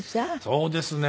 そうですね。